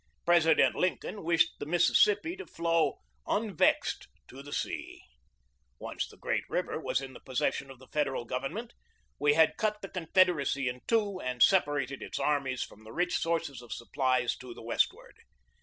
President Lincoln wished the Mis sissippi to flow "unvexed" to the sea. Once the great river was in the possession of the Federal Gov ernment, we had cut the Confederacy in two and separated its armies from the rich sources of supplies to the westward.